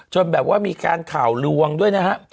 แบบว่ามีการข่าวลวงด้วยนะฮะ